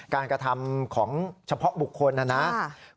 กระทำของเฉพาะบุคคลนะครับ